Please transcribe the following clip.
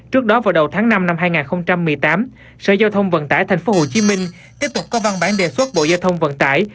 trước đó vào đầu tháng năm năm hai nghìn một mươi tám sở giao thông vận tải tp hcm tiếp tục có văn bản đề xuất bộ giao thông vận tải